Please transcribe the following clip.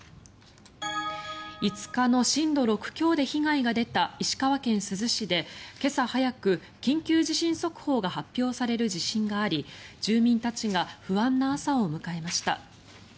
５日の震度６強で被害が出た石川県珠洲市で今朝早く、緊急地震速報が発表される地震があり住民たちが不安な朝を迎えました。